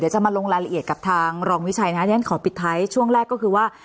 จะมาลงรายละเอียดกับทางรองวิชัยนะที่ฉันขอปิดท้ายช่วงแรกก็คือว่า